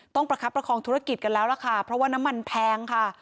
ประคับประคองธุรกิจกันแล้วล่ะค่ะเพราะว่าน้ำมันแพงค่ะ